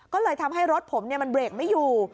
ก็เลยทำให้รถผมมันเบรกไม่อยู่